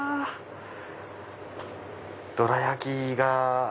どら焼きが。